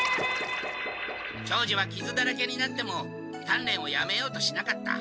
長次はきずだらけになってもたんれんをやめようとしなかった。